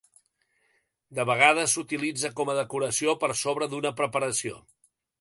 De vegades s'utilitza com a decoració per sobre d'una preparació.